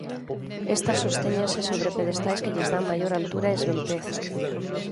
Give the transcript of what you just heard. Estas sostéñense sobre pedestais que lles dan maior altura e esvelteza.